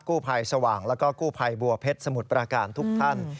กู้ภัยสว่างแล้วก็กู้ภัยบัวเพชรสมุทรประการทุกท่าน